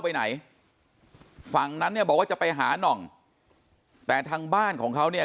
ไปไหนฝั่งนั้นเนี่ยบอกว่าจะไปหาน่องแต่ทางบ้านของเขาเนี่ย